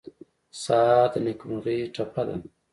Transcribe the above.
سهار د نېکمرغۍ ټپه ده.